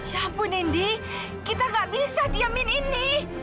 ya ampun nindi kita gak bisa diamin ini